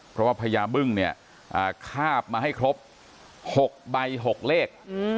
เพราะว่าพญาบึ้งเนี่ยคาบมาให้ครบ๖ใบ๖เลข